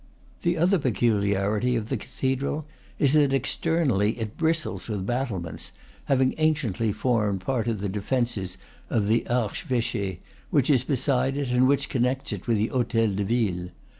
The other peculiarity of the cathedral is that, exter nally, it bristles with battlements, having anciently formed part of the defences of the archeveche, which is beside it and which connects it with the hotel de ville.